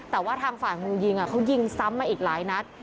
แต่ว่าทางฝ่ายมือยิงเขายิงซ้ำมาอีกหลายนัด